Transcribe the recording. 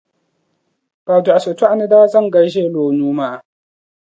paɣidɔɣisotɔɣinda daa zaŋ gali ʒee lo o nuu maa.